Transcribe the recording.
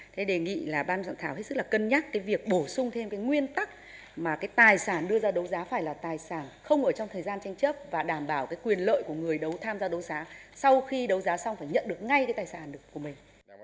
thế đề nghị là ban soạn thảo hết sức là cân nhắc cái việc bổ sung thêm cái nguyên tắc mà cái tài sản đưa ra đấu giá phải là tài sản không ở trong thời gian tranh chấp và đảm bảo cái quyền lợi của người đấu tham gia đấu giá sau khi đấu giá xong phải nhận được ngay cái tài sản của mình